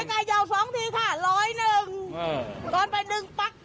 ตัดหนึ่งตัดไปหนึ่งปั๊ก